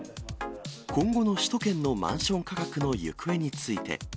今後の首都圏のマンション価格の行方について。